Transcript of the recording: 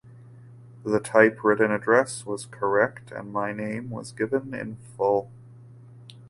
The typewritten address was correct, and my name was given in full.